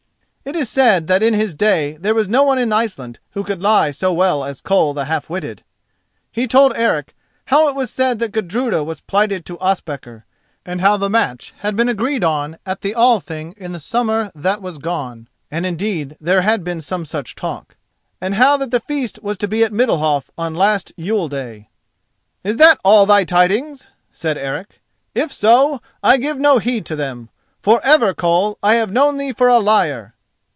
It is said that in his day there was no one in Iceland who could lie so well as Koll the Half witted. He told Eric how it was said that Gudruda was plighted to Ospakar, and how the match had been agreed on at the Althing in the summer that was gone (and indeed there had been some such talk), and how that the feast was to be at Middalhof on last Yule Day. "Is that all thy tidings?" said Eric. "If so, I give no heed to them: for ever, Koll, I have known thee for a liar!"